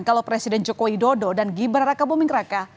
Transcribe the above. kalau presiden joko widodo dan gibran raka buming raka